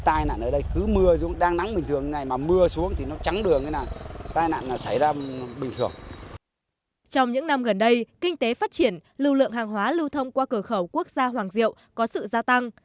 trong những năm gần đây kinh tế phát triển lưu lượng hàng hóa lưu thông qua cửa khẩu quốc gia hoàng diệu có sự gia tăng